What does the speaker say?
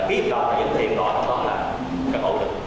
ký kết hợp đồng là những thiện hợp đồng đó là căn hộ du lịch